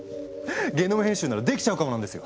ゲノム編集ならできちゃうかもなんですよ。